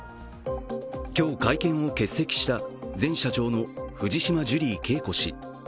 今日、会見を欠席した前社長の藤島ジュリー景子氏。